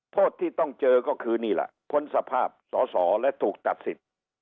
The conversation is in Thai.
โทษที่ต้องเจอก็คือนี่ล่ะคนสภาพสศและถูกตัดสิน